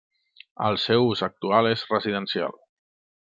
El seu ús actual és residencial.